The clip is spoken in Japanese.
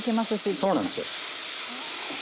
そうなんですよ。